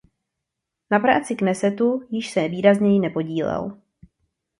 Na práci Knesetu již se výrazněji nepodílel.